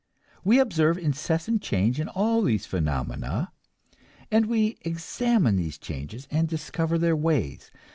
We observe incessant change in all these phenomena, and we examine these changes and discover their ways.